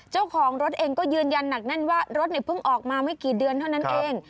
เจ้าของรถเองก็ยืนยันหนักแน่นว่ารถเนี่ยเพิ่งออกมาไม่กี่เดือนเท่านั้นเอง